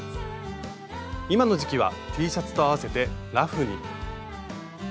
今の時期はＴシャツと合わせてラフに。